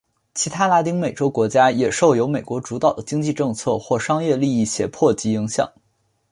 其他拉丁美洲国家也受由美国主导的经济政策或商业利益胁迫及影响。